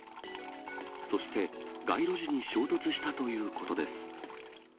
そして、街路樹に衝突したということです。